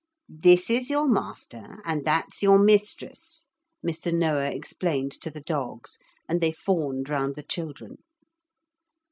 'This is your master and that's your mistress,' Mr. Noah explained to the dogs, and they fawned round the children.